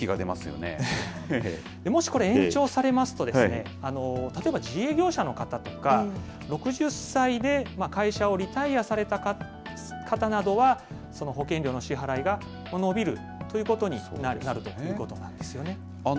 もしこれ、延長されますと、例えば自営業者の方とか、６０歳で会社をリタイヤされた方などは、保険料の支払いが延びるということになるということなんですよね。